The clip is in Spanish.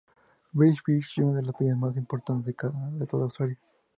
Bells Beach es una de las playas más importantes de toda Australia.